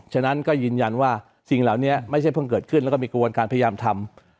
ฉะนั้นก็ยืนยันว่าสิ่งเหล่านี้ไม่ใช่เพิ่งเกิดขึ้นแล้วก็มีกระบวนการพยายามทำ